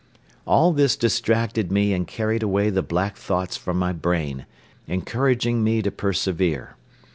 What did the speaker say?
All this distracted me and carried away the black thoughts from my brain, encouraging me to persevere.